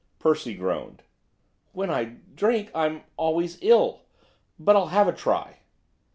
Percy groaned. 'When I drink I'm always ill, but I'll have a try.